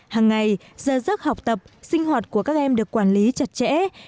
hàng ngày giờ giấc học tập sinh hoạt của các em được quản lý chặt chẽ